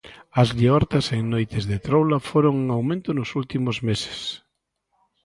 As liortas en noites de troula foron en aumento nos últimos meses.